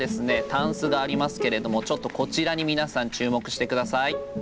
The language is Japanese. タンスがありますけれどもちょっとこちらに皆さん注目して下さい。